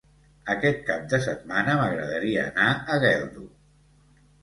Aquest cap de setmana m'agradaria anar a Geldo.